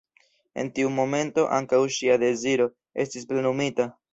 En tiu momento ankaŭ ŝia deziro estis plenumita.